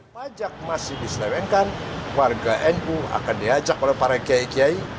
pajak masih diselewengkan warga nu akan diajak oleh para kiai kiai